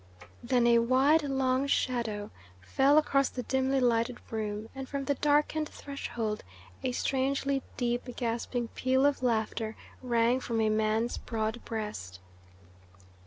Then a wide, long shadow fell across the dimly lighted room, and from the darkened threshold a strangely deep, gasping peal of laughter rang from a man's broad breast.